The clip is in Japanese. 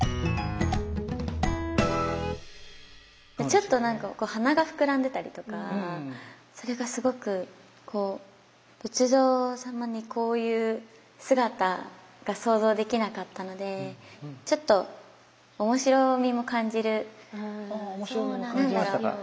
ちょっと何か鼻が膨らんでたりとかそれがすごくこう仏像様にこういう姿が想像できなかったのでちょっとああ面白みも感じましたか。